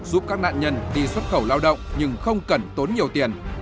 giúp các nạn nhân đi xuất khẩu lao động nhưng không cần tốn nhiều tiền